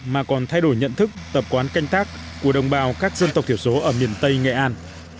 mà còn thay đổi nhận thức tập quán canh tác của đồng bào các dân tộc thiểu số ở miền tây nghệ an